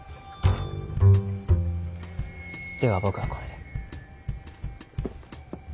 では僕はこれで。